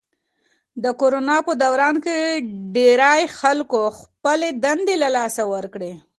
د کرونا په دوران کې ډېری خلکو خپلې دندې له لاسه ورکړې.